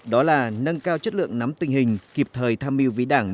đó là nâng cao chất lượng nắm tình hình kịp thời tham mưu với đảng